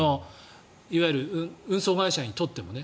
いわゆる運送会社にとってもね。